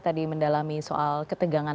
tadi mendalami soal ketegangan